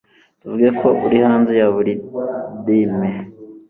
tuvuge ko uri hanze ya buri dime